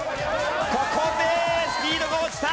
ここでスピードが落ちた。